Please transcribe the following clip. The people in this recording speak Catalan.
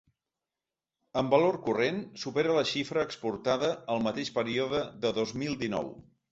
En valor corrent, superen la xifra exportada el mateix període del dos mil dinou.